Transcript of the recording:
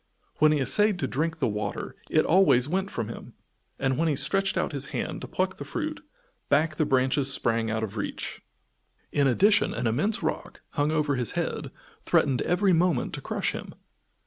When he essayed to drink the water it always went from him, and when he stretched out his hand to pluck the fruit, back the branches sprang out of reach. In addition an immense rock, hung over his head, threatened every moment to crush him.